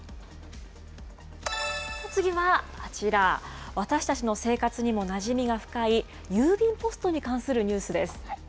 次はこちら、私たちの生活にもなじみが深い郵便ポストに関するニュースです。